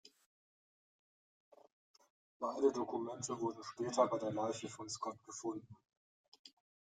Beide Dokumente wurden später bei der Leiche von Scott gefunden.